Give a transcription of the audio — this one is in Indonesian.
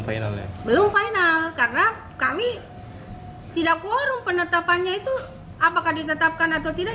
finalnya belum final karena kami tidak quorum penetapannya itu apakah ditetapkan atau tidak